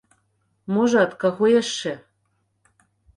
Можа, ад каго яшчэ.